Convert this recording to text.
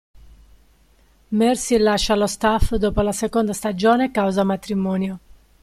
Marcy lascia lo staff dopo la seconda stagione causa matrimonio.